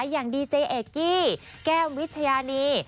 อย่างดีเจเอกกี้แก้ววิชญานี